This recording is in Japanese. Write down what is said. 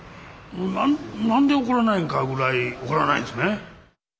何で怒らないのかぐらい怒らないですね。